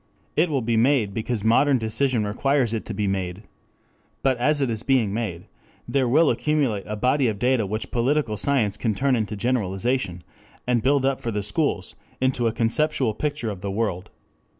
It will be made because modern decision requires it to be made. But as it is being made, there will accumulate a body of data which political science can turn into generalization, and build up for the schools into a conceptual picture of the world.